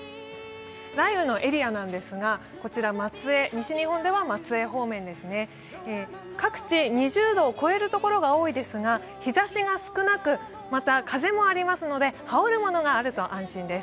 雷雨のエリアなんですが、こちら、西日本では松江方面、各地２０度を超える所が多いですが、日ざしが少なく、また風もありますのではおるものがあると安心です。